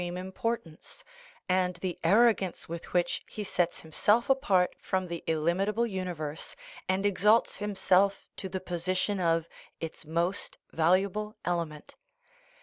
THE NATURE OF THE PROBLEM importance, and the arrogance with which he sets him self apart from the illimitable universe, and exalts him self to the position of its most valuable element.